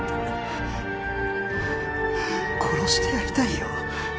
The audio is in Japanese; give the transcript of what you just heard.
殺してやりたいよ